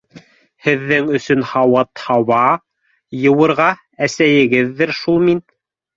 Һеҙҙең өсөн һауыт-һаба йыуырға — әсәйегеҙҙер шул мин.